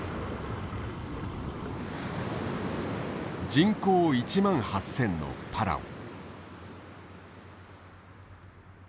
人口１万８，０００のパラオ。